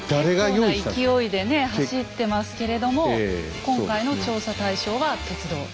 結構な勢いでね走ってますけれども今回の調査対象は「鉄道」。